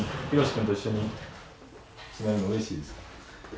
君と一緒に住めるのはうれしいですか？